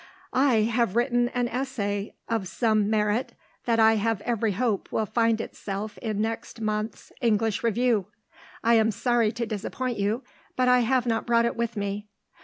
I have written an essay of some merit that I have every hope will find itself in next month's English Review. I am sorry to disappoint you, but I have not brought it with me.